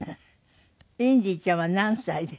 インディちゃんは何歳ですか？